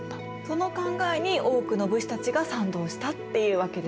その考えに多くの武士たちが賛同したっていうわけですね？